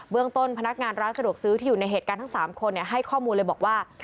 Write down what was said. เรื่องต้นพนักงานร้านสะดวกซื้อที่อยู่ในเหตุการณ์ทั้ง๓คนให้ข้อมูลเลยบอกว่า